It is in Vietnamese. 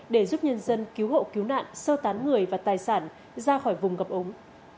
để giúp nhân dân cứu hộ cứu nạn sơ tán người và tài sản ra khỏi vùng ngập ống